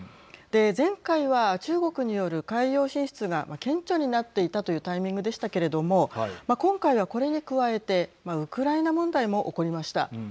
前回は、中国による海洋進出が顕著になっていたというタイミングでしたけれども今回はこれに加えてウクライナ問題も起こりました。